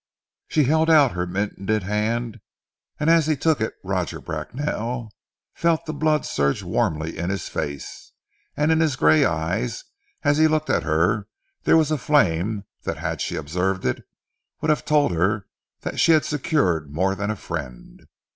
She held out her mittened hand, and as he took it Roger Bracknell felt the blood surge warmly in his face, and in his grey eyes as he looked at her there was a flame that had she observed it would have told her that she had secured more than a friend.